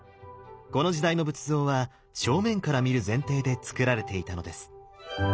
この時代の仏像は正面から見る前提でつくられていたのです。